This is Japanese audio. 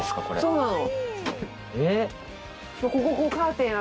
そうなの！